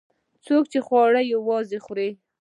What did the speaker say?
څوک چې خواړه یوازې خوري.